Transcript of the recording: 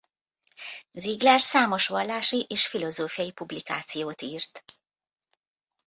Ziegler számos vallási és filozófiai publikációt írt.